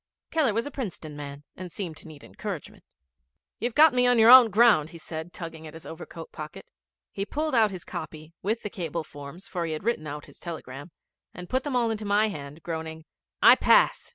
Keller was a Princeton man, and he seemed to need encouragement. 'You've got me on your own ground,' said he, tugging at his overcoat pocket. He pulled out his copy, with the cable forms for he had written out his telegram and put them all into my hand, groaning, 'I pass.